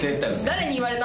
「誰に言われた？」